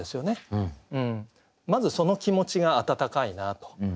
まずその気持ちが温かいなと。